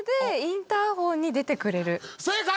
正解！